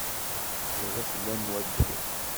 Yerra fell-am wadal.